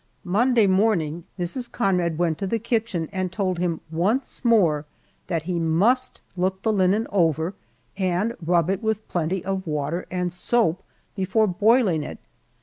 Monday morning Mrs. Conrad went to the kitchen and told him once more that he must look the linen over, and rub it with plenty of water and soap before boiling it.